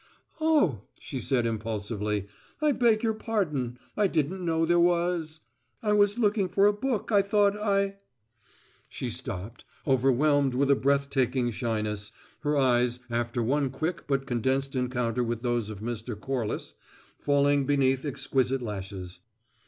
"Oh!" she said impulsively; "I beg your pardon. I didn't know there was I was looking for a book I thought I " She stopped, whelmed with a breath taking shyness, her eyes, after one quick but condensed encounter with those of Mr. Corliss, falling beneath exquisite lashes.